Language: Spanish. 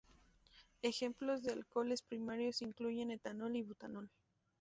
Ejemplos de alcoholes primarios incluyen etanol y butanol.